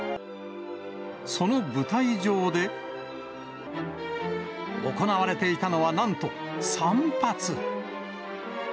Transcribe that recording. その舞台上で、行われていたのは、なんと散髪。